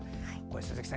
鈴木さん